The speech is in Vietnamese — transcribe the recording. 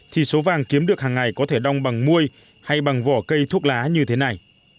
thì số vàng kiếm được hàng ngày có thể đong bằng muôi hay bằng vỏ cây thuốc lá như thế này